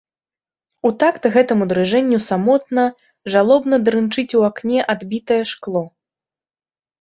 У такт гэтаму дрыжэнню самотна, жалобна дрынчыць у акне адбітае шкло.